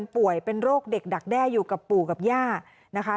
ป่วยเป็นโรคเด็กดักแด้อยู่กับปู่กับย่านะคะ